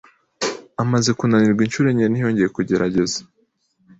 Amaze kunanirwa inshuro enye, ntiyongeye kugerageza.